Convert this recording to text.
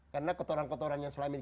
karena kotoran kotoran yang selama ini